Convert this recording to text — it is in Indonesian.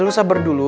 lo sabar dulu